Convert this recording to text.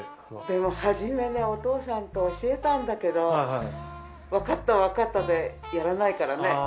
でも初めねお父さんと教えたんだけどわかったわかったでやらないからね。